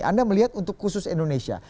anda melihat untuk khusus indonesia